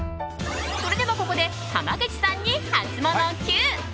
それでは、ここで濱口さんにハツモノＱ！